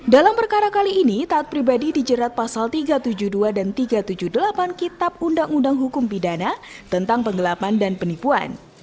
dalam perkara kali ini taat pribadi dijerat pasal tiga ratus tujuh puluh dua dan tiga ratus tujuh puluh delapan kitab undang undang hukum pidana tentang penggelapan dan penipuan